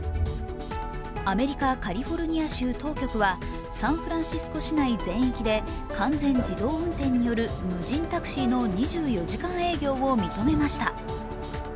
アメリカ・カリフォルニア州当局はサンフランシスコ市内全域で完全自動運転による無人タクシーの２４時間営業を認めました。